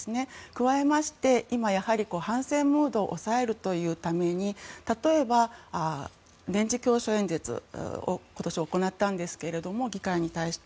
加えまして今、反戦ムードを抑えるために例えば、年次教書演説を今年行ったんですが議会に対して。